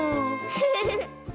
フフフ。